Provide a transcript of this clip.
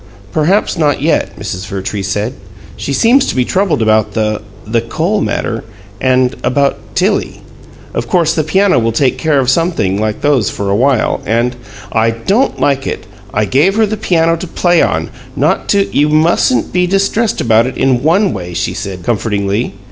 "Perhaps not yet," Mrs. Vertrees said. "She seems to be troubled about the the coal matter and about Tilly. Of course the piano will take care of some things like those for a while and " "I don't like it. I gave her the piano to play on, not to " "You mustn't be distressed about it in ONE way," she said, comfortingly.